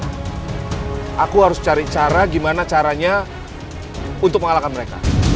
aku harus cari cara gimana caranya untuk mengalahkan mereka